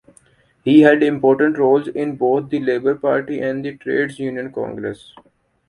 He held important roles in both the Labour Party and the Trades Union Congress.